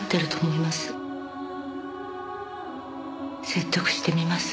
説得してみます。